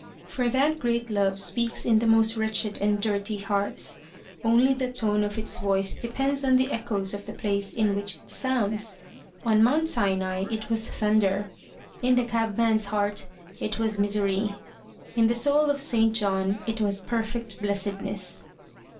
For that great Love speaks in the most wretched and dirty hearts; only the tone of its voice depends on the echoes of the place in which it sounds. On Mount Sinai, it was thunder; in the cabman's heart it was misery; in the soul of St. John it was perfect blessedness.